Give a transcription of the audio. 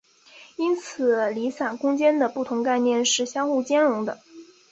因此离散空间的不同概念是相互兼容的。